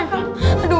aduh taruh mana dong